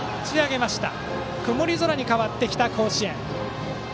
曇り空に変わってきた甲子園。